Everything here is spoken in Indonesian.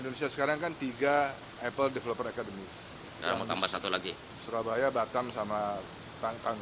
dan saya pikir itu adalah sebuah perbicaraan yang sangat penting